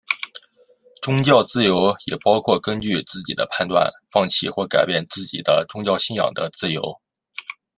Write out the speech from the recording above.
宗教自由也包括根据自己的判断放弃或改变自己的宗教信仰的自由。